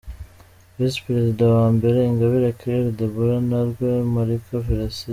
Visi-Perezida wa mbere: Ingabire Claire Deborah na Rwemarika Felicite.